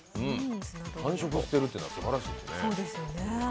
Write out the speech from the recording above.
繁殖しているというのはすばらしいですね。